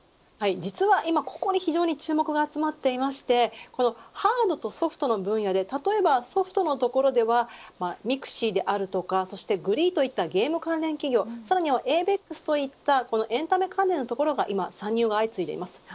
実は今、ここに非常に注目が集まっていましてハードとソフトの分野で例えばソフトのところではｍｉｘｉであるとかグリーといったゲーム関連企業、さらにはエイベックスといったエンタメ関連のところの参入が相次いでいます。